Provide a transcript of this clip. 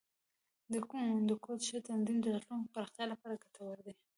د کوډ ښه تنظیم، د راتلونکي پراختیا لپاره ګټور وي.